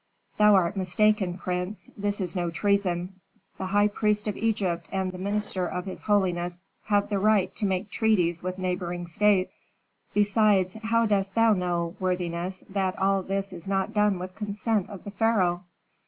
"Thou art mistaken, prince, this is no treason: the high priest of Egypt and the minister of his holiness have the right to make treaties with neighboring states. Besides, how dost thou know, worthiness, that all this is not done with consent of the pharaoh?"